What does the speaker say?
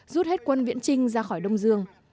rút hết quân viễn trinh ra khỏi đông dương